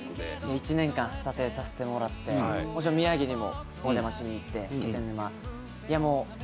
１年間撮影させてもらってもちろん宮城にもお邪魔しに行って気仙沼。